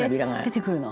「出てくるの？」